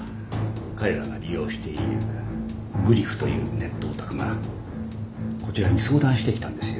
彼らが利用しているグリフというネットオタクがこちらに相談してきたんですよ。